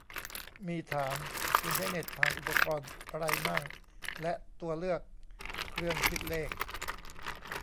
มีถาม "คุณใช้เน็ตผ่านอุปกรณ์ไรมั่ง" และตัวเลือก "เครื่องคิดเลข"